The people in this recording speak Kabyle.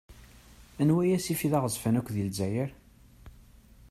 Anwa asif i d aɣezzfan akk di Lezzayer?